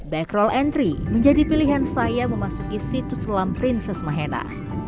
back roll entry menjadi pilihan saya memasuki situs selam prinses mahena